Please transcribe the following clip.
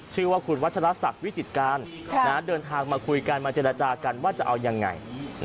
ชื่อว่าคุณวัชลศักดิ์วิจิตการเดินทางมาคุยกันมาเจรจากันว่าจะเอายังไง